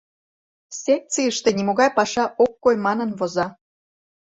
Секцийыште нимогай паша ок кой манын воза.